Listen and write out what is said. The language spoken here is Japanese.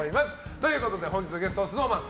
ということで本日のゲストはＳｎｏｗＭａｎ